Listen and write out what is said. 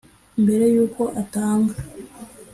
Mbere yuko atanga